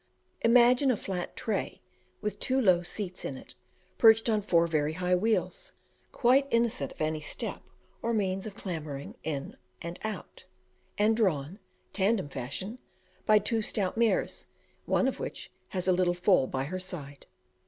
Imagine a flat tray with two low seats in it, perched on four very high wheels, quite innocent of any step or means of clambering in and out, and drawn, tandem fashion, by two stout mares; one of which has a little foal by her side.